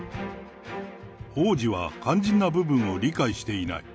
王子は肝心な部分を理解していない。